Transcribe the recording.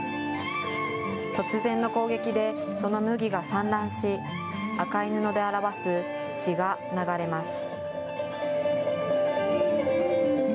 突然の攻撃でその麦が散乱し赤い布で表す血が流れます。